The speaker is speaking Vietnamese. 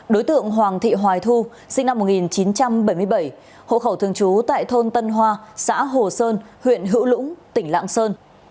đối tượng hoàng thị hoài thu sinh năm một nghìn chín trăm bảy mươi bảy hộ khẩu thường trú tại thôn tân hoa xã hồ sơn huyện hữu lũng tỉnh lạng sơn